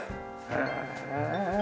へえ。